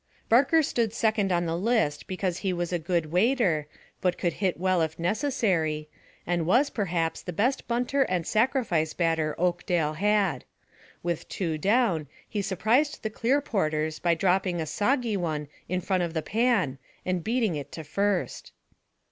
Barker stood second on the list because he was a good waiter, but could hit well if necessary, and was, perhaps, the best bunter and sacrifice batter Oakdale had. With two down, he surprised the Clearporters by dropping a soggy one in front of the pan and beating it to first.